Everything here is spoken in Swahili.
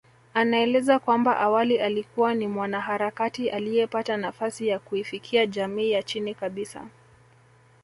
Anaeleza kwamba awali alikuwa ni mwanaharakati aliyepata nafasi ya kuifikia jamii ya chini kabisa